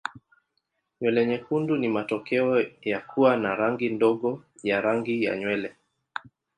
Nywele nyekundu ni matokeo ya kuwa na rangi ndogo ya rangi ya nywele.